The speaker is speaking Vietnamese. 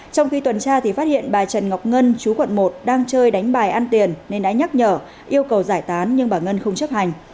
trong khi tuần tra thì phát hiện bà trần ngọc ngân chú quận một đang chơi đánh bài ăn tiền nên đã nhắc nhở yêu cầu giải tán nhưng bà ngân không chấp hành